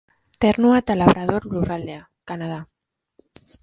Ternua eta Labrador lurraldea, Kanada.